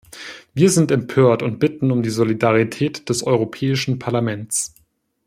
Wir sind empört und bitten um die Solidarität des Europäischen Parlaments.